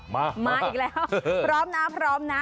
มามาอีกแล้วพร้อมนะพร้อมนะ